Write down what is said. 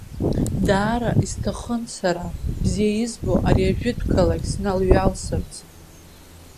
Даара исҭахын сара, бзиа избо ари ажәытә қалақь сналсҩалсырц.